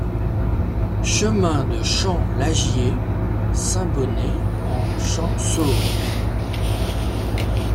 Chemin de Champ Lagier, Saint-Bonnet-en-Champsaur